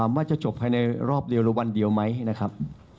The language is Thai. ว่าจะจบภายในรอบเดียวหรือวันเดียวไหมนะครับ